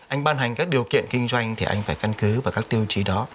anh ban hành các điều kiện kinh doanh thì anh phải căn cứ vào các tiêu chí đó